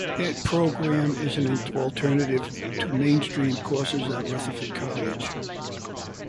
It program is an alternative to mainstream courses at Rutherford College.